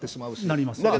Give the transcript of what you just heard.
なりますね。